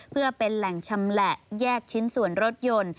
เพื่อเป็นแหล่งชำแหละแยกชิ้นส่วนรถยนต์